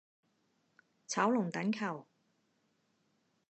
炒龍躉球